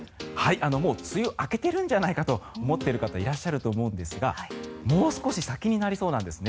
もう梅雨明けてるんじゃないかと思っている方いらっしゃると思うんですがもう少し先になりそうなんです。